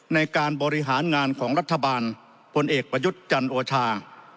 ในการบริหารงานของรัฐบาลพลเอกประยุทธ์จันโอชา